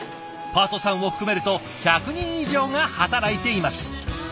パートさんを含めると１００人以上が働いています。